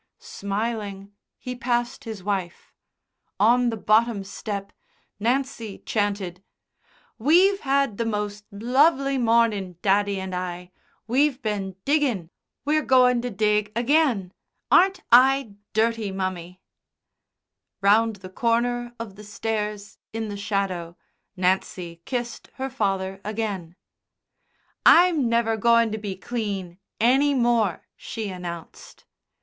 Smiling, he passed his wife. On the bottom step Nancy chanted: "We've had the most lovely mornin', daddy and I. We've been diggin'. We're goin' to dig again. Aren't I dirty, mummy?" Round the corner of the stairs in the shadow Nancy kissed her father again. "I'm never goin' to be clean any more," she announced.